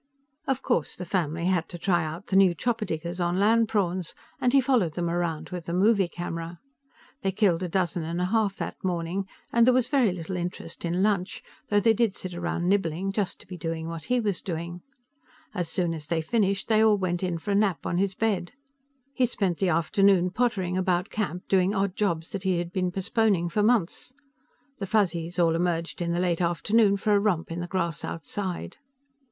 Of course, the family had to try out the new chopper diggers on land prawns, and he followed them around with the movie camera. They killed a dozen and a half that morning, and there was very little interest in lunch, though they did sit around nibbling, just to be doing what he was doing. As soon as they finished, they all went in for a nap on his bed. He spent the afternoon pottering about camp doing odd jobs that he had been postponing for months. The Fuzzies all emerged in the late afternoon for a romp in the grass outside.